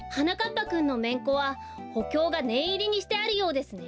ぱくんのめんこはほきょうがねんいりにしてあるようですね。